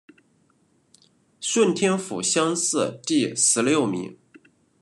顺天府乡试第十六名。